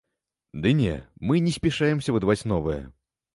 Ды не, мы не спяшаемся выдаваць новае.